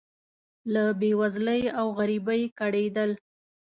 له بې وزلۍ او غریبۍ کړېدل.